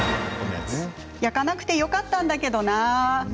焼かなくてよかったんだけどな。